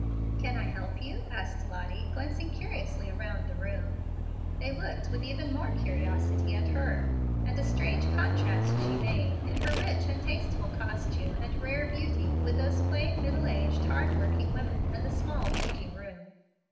"Can I help you?" asked Lottie, glancing curiously around the room. They looked with even more curiosity at her; and a strange contrast she made, in her rich and tasteful costume and rare beauty, with those plain, middle aged, hard working women, and the small, dingy room.